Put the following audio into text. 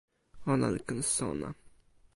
ona li ken sona.